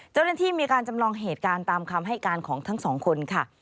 เจ้าหน้าที่มีการจำลองเหตุการณ์ตามคำให้การของทั้งสองคนค่ะ